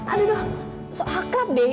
aduh soal krab be